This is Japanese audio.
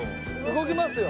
動きますよ。